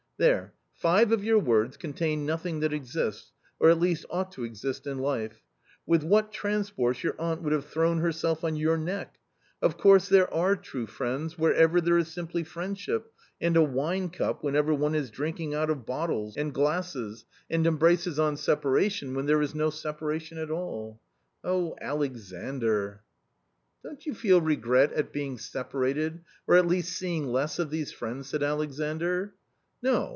" There, five of your words contain nothing that exists, or at least ought to exist, in life. With what transports your aunt would have thrown herself on your neck ! Of course there are ' true friends ' wherever there is simply friendship and a * wine cup ' whenever one is drinking out of bottles F 82 A COMMON STORY and glasses, and embraces on separation when there is no separation at all. Oh, Alexandr !"" Don't you feel regret at being separated, or at least seeing less of these friends ?" said Alexandr. " No